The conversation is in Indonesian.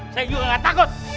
saya juga gak takut